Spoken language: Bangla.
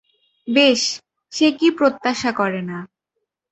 বেশ, সে কি প্রত্যাশা করেনা?